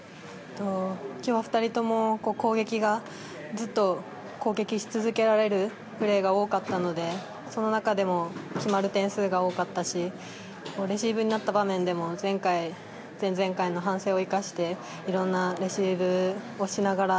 今日は２人とも攻撃がずっと攻撃し続けられるプレーが多かったのでその中でも決まる点数が多かったしレシーブになった場面でも前回、前々回の反省を生かしていろんなレシーブをしながら